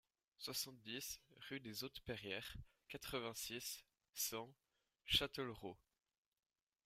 soixante-dix rue des Hautes Perrières, quatre-vingt-six, cent, Châtellerault